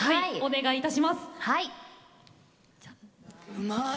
うまい！